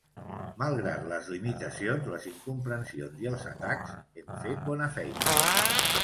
Malgrat les limitacions, les incomprensions i els atacs, hem fet bona feina.